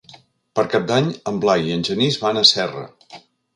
Per Cap d'Any en Blai i en Genís van a Serra.